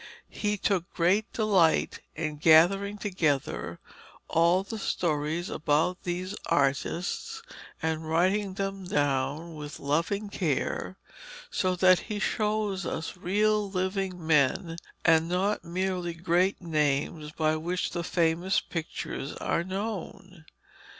He took great delight in gathering together all the stories about these artists and writing them down with loving care, so that he shows us real living men, and not merely great names by which the famous pictures are known.